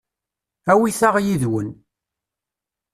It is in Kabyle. Awit-aɣ yid-wen.